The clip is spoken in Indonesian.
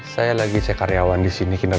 saya lagi cek karyawan disini